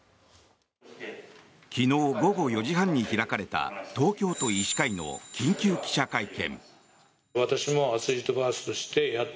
昨日午後４時半に開かれた東京都医師会の緊急記者会見。